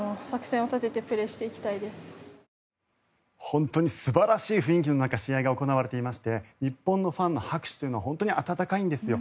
本当に素晴らしい雰囲気の中試合が行われていまして日本のファンの拍手というのは本当に温かいんですよ。